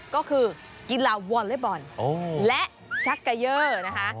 ก็คือกีฬาวอลเล็ตบอลและชักเกยอร์นะคะ